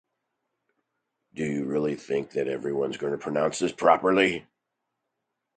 Found on the scree and tussock slopes of Mt Ruapehu.